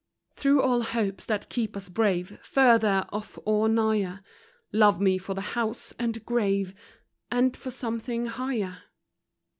Through all hopes that keep us brave, Further off or nigher, Love me for the house and grave, — And for something higher.